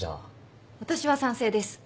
私は賛成です。